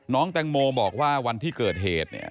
น้องแตงโมบอกว่าวันที่เกิดเหตุเนี่ย